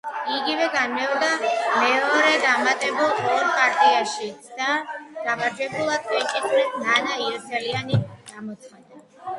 იგივე განმეორდა მეორე დამატებულ ორ პარტიაშიც და გამარჯვებულად კენჭისყრით ნანა იოსელიანი გამოცხადდა.